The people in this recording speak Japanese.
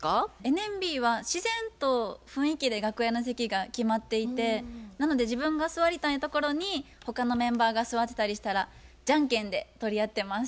ＮＭＢは自然と雰囲気で楽屋の席が決まっていてなので自分が座りたいところに他のメンバーが座ってたりしたらじゃんけんで取り合ってます。